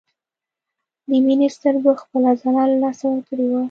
د مينې سترګو خپله ځلا له لاسه ورکړې وه